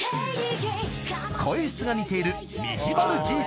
［声質が似ている］